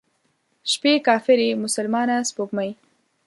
شپې کافرې، مسلمانه سپوږمۍ،